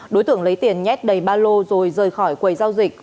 đối tượng lấy tiền nhét đầy ba lô rồi rời khỏi quầy giao dịch